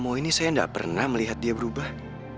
oh ini saya tidak pernah melihat dia berubah